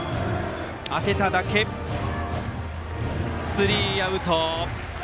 スリーアウト。